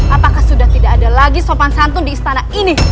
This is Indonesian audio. apakah sudah tidak ada lagi sopan santun di istana ini